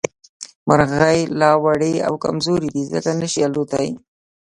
مرغۍ لا وړې او کمزورې دي ځکه نه شي اوتلې